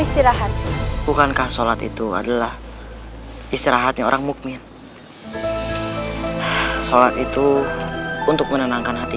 istirahat bukankah sholat itu adalah istirahatnya orang mukmin sholat itu untuk menenangkan hati